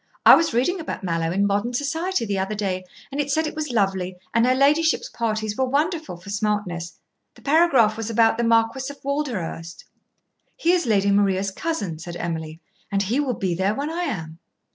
I was reading about Mallowe in 'Modern Society' the other day, and it said it was lovely and her ladyship's parties were wonderful for smartness. The paragraph was about the Marquis of Walderhurst." "He is Lady Maria's cousin," said Emily, "and he will be there when I am."